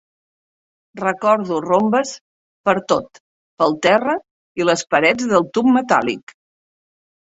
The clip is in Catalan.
Recordo rombes pertot, pel terra i les parets del tub metàl·lic.